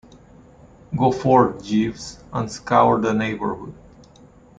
Go forth, Jeeves, and scour the neighbourhood.